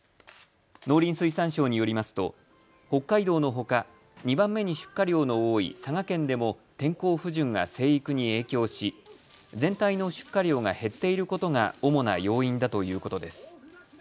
農林水産省によりますと北海道のほか２番目に出荷量の多い佐賀県でも天候不順が生育に影響し全体の出荷量が減っていることが主な要因だということです。